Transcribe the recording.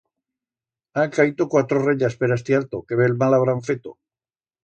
Han caito cuatro rellas per astí alto, qué bel mal habrán feto.